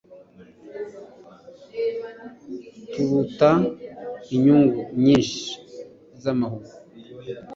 turuta inyungu nyinshi z’amahugu